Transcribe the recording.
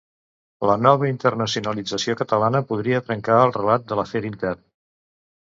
La nova internacionalització catalana podria trencar el relat de l'afer intern.